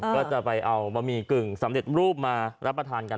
ก็จะไปเอาบะหมี่กึ่งสำเร็จรูปมารับประทานกัน